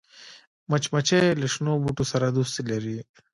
مچمچۍ له شنو بوټو سره دوستي لري